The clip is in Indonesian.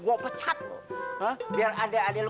gua pecat biar adek adek lu